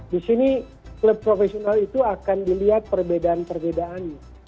di sini klub profesional itu akan dilihat perbedaan perbedaannya